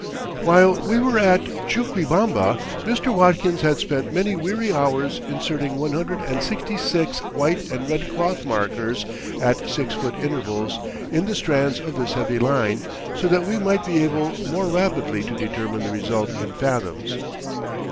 While we were at Chuquibamba Mr. Watkins had spent many weary hours inserting one hundred and sixty six white and red cloth markers at six foot intervals in the strands of this heavy line, so that we might be able more rapidly to determine the result in fathoms.